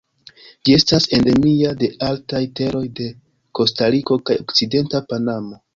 Ĝi estas endemia de altaj teroj de Kostariko kaj okcidenta Panamo.